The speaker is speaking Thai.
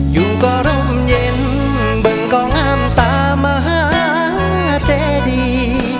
อยู่ก่อรุ่มเย็นเบิ่งก้องอ้ำตามหาเจดี